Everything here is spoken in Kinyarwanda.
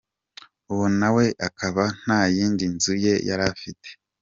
Uwo nawe akaba nta yindi nzu ye yari afite.